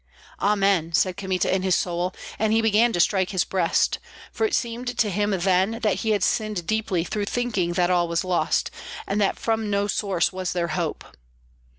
"Amen!" said Kmita in his soul, and he began to strike his breast; for it seemed to him then that he had sinned deeply through thinking that all was lost, and that from no source was there hope.